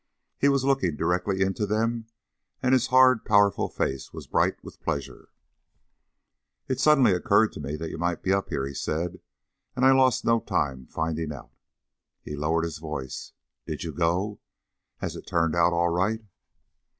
He was looking directly into them, and his hard powerful face was bright with pleasure. "It suddenly occurred to me that you might be up here," he said; "and I lost no time finding out." He lowered his voice. "Did you go? Has it turned out all right?"